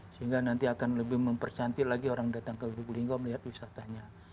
sehingga nanti akan lebih mempercantik lagi orang datang ke lubuk linggau melihat wisatanya